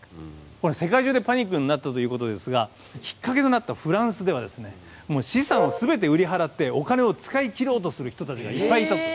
これ世界中でパニックになったということですがきっかけとなったフランスでは資産を全て売り払ってお金を使い切ろうとする人たちがいっぱいいたと。